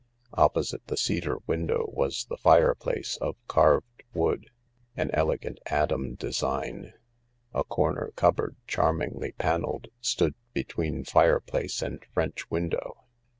Opposite the cedar window was the fireplace, of carved wood, an elegant Adam design. A corner cupboard charmingly panelled stood between fireplace and French window.